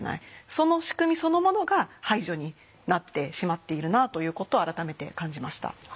その仕組みそのものが排除になってしまっているなということを改めて感じました。